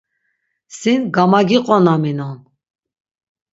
Sin gamagiqonaminon.